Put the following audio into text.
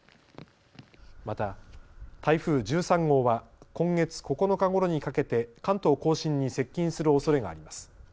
また台風１３号は今月９日ごろにかけて関東甲信に接近するおそれがあります。